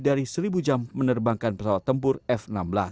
dari seribu jam menerbangkan pesawat tempur f enam belas